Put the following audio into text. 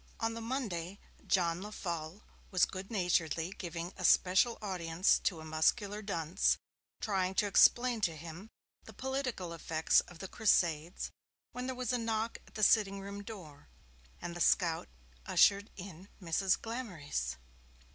On the Monday, John Lefolle was good naturedly giving a special audience to a muscular dunce, trying to explain to him the political effects of the Crusades, when there was a knock at the sitting room door, and the scout ushered in Mrs. Glamorys.